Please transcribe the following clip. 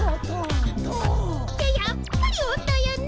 ややっぱりおんどよね！